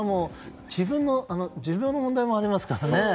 寿命の問題もありますからね。